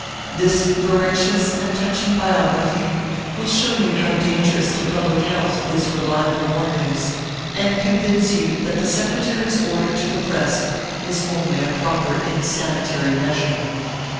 This veracious and touching biography will show you how dangerous to public health is reliable war news, and convince you that the Secretary s order to the press is only a proper insanitary measure.